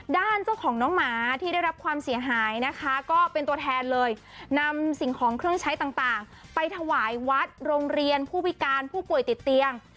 ด้านเจ้าของน้องหมาที่ได้รับความเสียหายนะคะก็เป็นตัวแทนเลยนำสิ่งของเครื่องใช้ต่างไปถวายวัดโรงเรียนผู้พิการผู้ป่วยติดเตียง